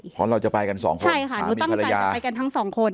เพราะเราจะไปกันสองคนใช่ค่ะหนูตั้งใจจะไปกันทั้งสองคน